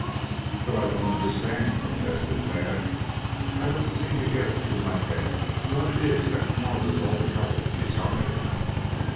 "But, I don't understand," protested Tad. "I don't seem to get it through my head what it is that causes all the trouble you tell me about."